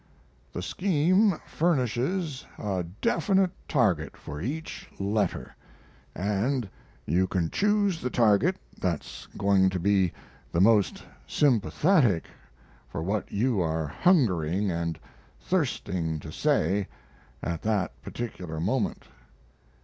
...The scheme furnishes a definite target for each letter, & you can choose the target that's going to be the most sympathetic for what you are hungering & thirsting to say at that particular moment.